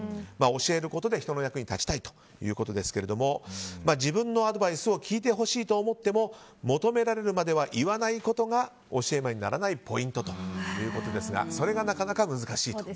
教えることで人の役に立ちたいということですけれども自分のアドバイスを聞いてほしいと思っても求められるまでは言わないことが教え魔にならないポイントということですがそれがなかなか難しいと。